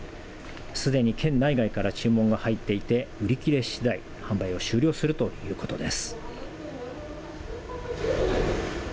すでに県内外から注文が入っていて売り切れ次第、販売を終了するということです。